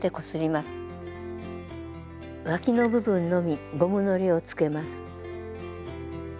わきの部分のみゴムのりをつけます。